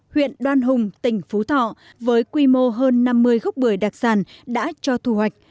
huyện đoan hùng tỉnh phú thọ với quy mô hơn năm mươi gốc bưởi đặc sản đã cho thu hoạch